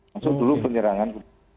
masuk dulu penyerangan